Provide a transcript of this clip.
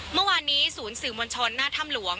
เมื่อวานนี้ศูนย์สื่อมวลชนหน้าถ้ำหลวง